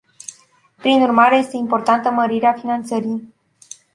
Prin urmare, este importantă mărirea finanțării.